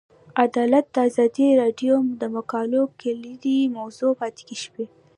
عدالت د ازادي راډیو د مقالو کلیدي موضوع پاتې شوی.